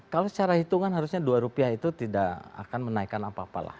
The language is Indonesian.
kalau secara hitungan harusnya dua rupiah itu tidak akan menaikan apa apalah